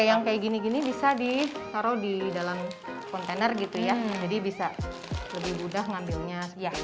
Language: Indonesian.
yang kayak gini gini bisa ditaruh di dalam kontainer gitu ya jadi bisa lebih mudah ngambilnya